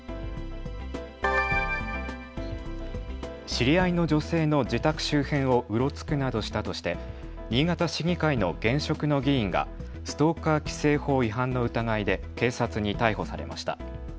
知り合いの女性の自宅周辺をうろつくなどしたとして新潟市議会の現職の議員がストーカー規制法違反の疑いで警察に逮捕されました。